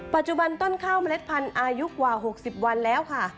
ปัจจุบันต้นข้าวเมล็ดพันธุ์อายุกว่า๖๐วันแล้วค่ะ